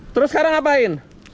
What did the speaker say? terus sekarang ngapain